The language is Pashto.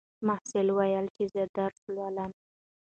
محصل وویل چې زه درس لولم.